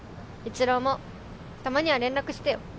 一狼もたまには連絡してよ。